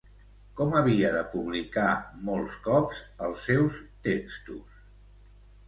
Com havia de publicar molts cops els seus textos?